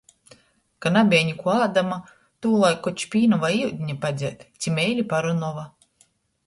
Ka nabeja nikuo ādama, tūlaik koč pīna voi iudiņa padzert ci meili parunova.